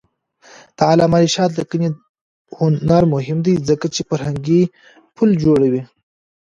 د علامه رشاد لیکنی هنر مهم دی ځکه چې فرهنګي پل جوړوي.